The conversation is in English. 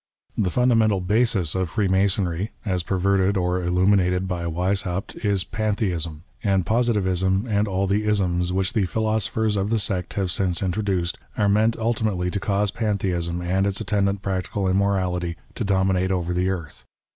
The fundamental basis of rreemasonry, as perverted or " illuminated," by Weishaupt, is Pantheism ; and Positivism and all the "isms" which the philosophers of the sect have since introduced, are meant ultimately to cause Pantheism and its attendant practical immorality to dominate over the earth.